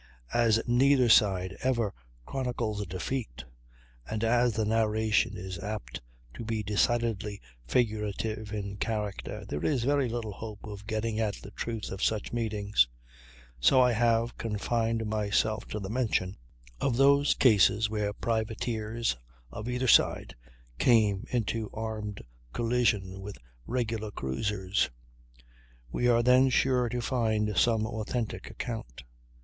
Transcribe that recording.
As neither side ever chronicles a defeat, and as the narration is apt to be decidedly figurative in character, there is very little hope of getting at the truth of such meetings; so I have confined myself to the mention of those cases where privateers, of either side, came into armed collision with regular cruisers. We are then sure to find some authentic account.